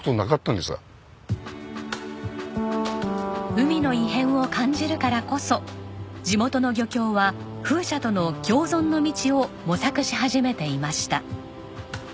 海の異変を感じるからこそ地元の漁協は風車との共存の道を模索し始めていました。